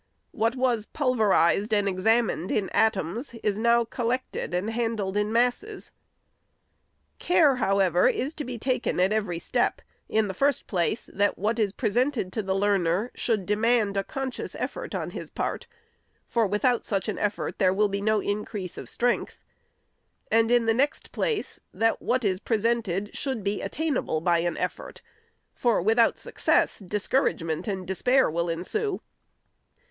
What was pulverized and examined in atoms is now col lected and handled in masses. Care, however, is to be taken at every step, in the first place, that what is pre sented to the learner should demand a conscious effort on his part, for, without such an effort, there will be no in crease of strength ; and, in the next place, that what is presented should be attainable by an effort, for, without success, discouragement and despair will ensue.